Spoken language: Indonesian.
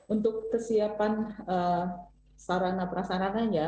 untuk kesiapan sarana prasarana